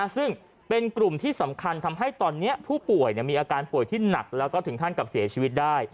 ซึ่งเป็นกลุ่มที่สำคัญทำให้ตอนนี้ผู้ป่วยมีอาการป่วยที่หนักแล้วก็ถึงขั้นกับเสียชีวิตได้